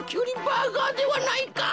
バーガーではないか。